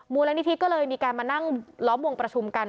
มูลนิธิก็เลยมีการมานั่งล้อมวงประชุมกัน